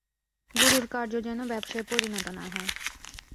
গুরুর কার্য যেন ব্যবসায়ে পরিণত না হয়।